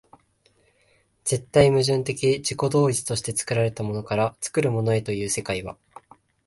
絶対矛盾的自己同一として作られたものから作るものへという世界は、